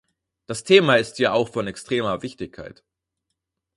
Das Thema ist ja auch von extremer Wichtigkeit.